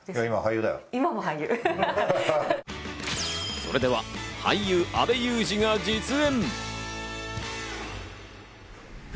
それでは俳優・阿部祐二が実演！